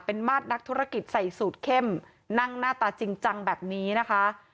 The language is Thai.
เป็นมาตรนักธุรกิจใส่สูตรเข้มนั่งหน้าตาจริงจังแบบนี้นะคะ